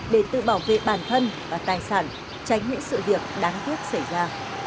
để tự bảo vệ bản thân và tài sản tránh những sự việc đáng tiếc xảy ra